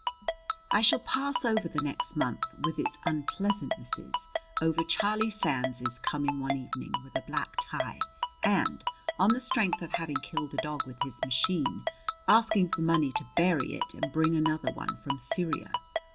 IV I shall pass over the next month, with its unpleasantnesses; over Charlie Sands's coming one evening with a black tie and, on the strength of having killed a dog with his machine, asking for money to bury it, and bring another one from Syria!